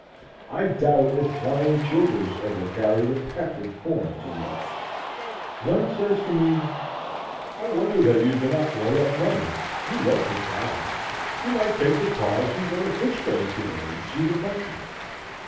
I doubt if Flying Childers ever carried a peck of corn to mill. One says to me, "I wonder that you do not lay up money; you love to travel; you might take the cars and go to Fitchburg to day and see the country."